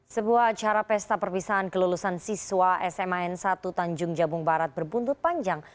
sebuah acara pesta perpisahan kelulusan siswa sma n satu tanjung jabung barat berbuntut panjang